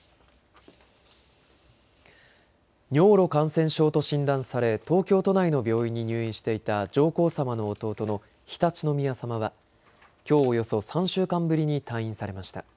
尿路感染症と診断され東京都内の病院に入院していた上皇さまの弟の常陸宮さまはきょう、およそ３週間ぶりに退院されました。